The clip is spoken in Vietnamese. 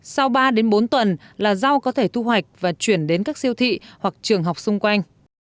sau ba bốn tuần là rau có thể thu hoạch và chuyển đến các siêu thị hoặc trường học xung quanh